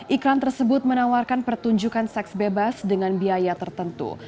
iklan tersebut menawarkan pertunjukan seks bebas dengan biaya tertentu